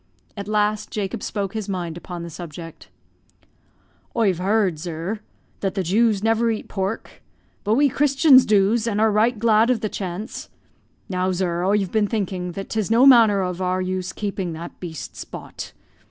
At last Jacob spoke his mind upon the subject. "Oi've heard, zur, that the Jews never eat pork; but we Christians dooz, and are right glad ov the chance. Now, zur, oi've been thinking that 'tis no manner ov use our keeping that beast Spot.